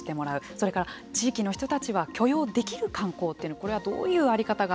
それから地域の人たちは許容できる観光というのはこれはどういう在り方が